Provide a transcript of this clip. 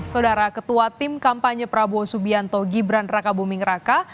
saudara ketua tim kampanye prabowo subianto gibran raka buming raka